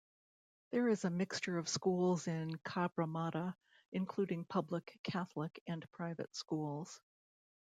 There is a mixture of schools in Cabramatta, including public, Catholic and private schools.